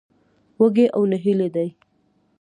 وږي او نهيلي دي.